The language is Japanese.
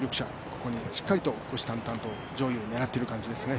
ここにしっかりと虎視眈々と上位を狙っている感じですね。